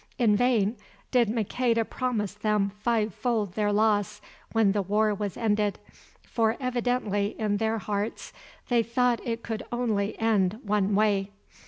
In vain did Maqueda promise them five fold their loss when the war was ended, for evidently in their hearts they thought it could only end one way.